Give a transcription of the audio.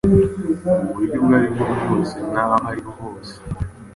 mu buryo ubwo ari bwose n’aho ari ho hose.